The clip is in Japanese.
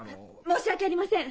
申し訳ありません！